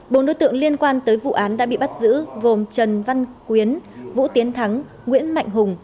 bốn đối tượng liên quan tới vụ án đã bị bắt giữ gồm trần văn quyến vũ tiến thắng nguyễn mạnh hùng